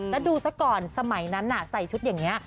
แล้วดูซะก่อนสมัยนั้นใส่ชุดอย่างนี้